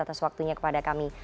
atas waktunya kepada kami